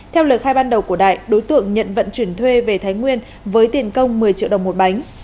theo lời khai ban đầu của đại đối tượng nhận vận chuyển thuê về thái nguyên với tiền công một mươi triệu đồng một bánh